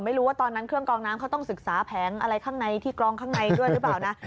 ไม่รู้ว่าตอนนั้นเครื่องกองน้ำเขาต้องศึกษาแผงอะไรข้างในที่กรองข้างในด้วยหรือเปล่านะ